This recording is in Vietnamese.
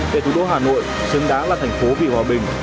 để thủ đô hà nội xứng đáng là thành phố vì hòa bình